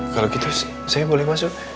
kalau gitu saya boleh masuk